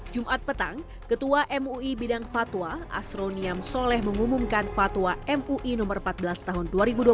jumat petang ketua mui bidang fatwa asroniam soleh mengumumkan fatwa mui no empat belas tahun dua ribu dua puluh